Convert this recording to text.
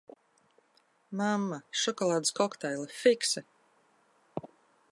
Mamma, šokolādes kokteili, fiksi!